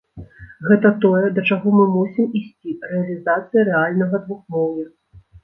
Гэта тое, да чаго мы мусім ісці, рэалізацыя рэальнага двухмоўя.